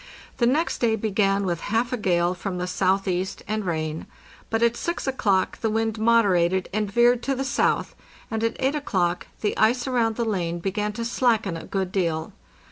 The next day began with half a gale from the southeast and rain; but at 6 o'clock the wind moderated and veered to the south, and at 8 o'clock the ice around the lane began to slacken a good deal.